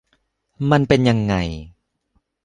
มันเป็นยังไง